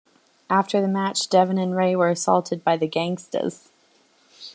After the match Devon and Ray were assaulted by the Gangstas.